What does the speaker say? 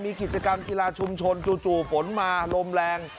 มีกิจกรรมกีฬาชุมชนจู่ฝนมาลมแรง